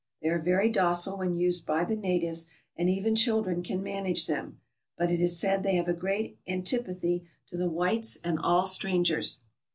They are very docile when used by the natives, and even children can manage them ; but it is said they have a great antipathy to the whites and all strangers.